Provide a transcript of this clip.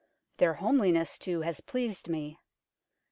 Their homeliness, too, has pleased me.